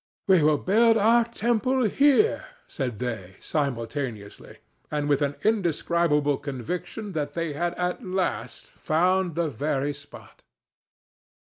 "We will build our temple here," said they, simultaneously, and with an indescribable conviction that they had at last found the very spot.